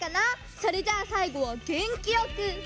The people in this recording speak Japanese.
それじゃあさいごはげんきよく！